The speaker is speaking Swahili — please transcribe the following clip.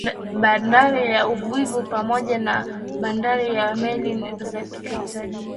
Bandari ya uvuvi pamoja na bandari ya meli za kitalii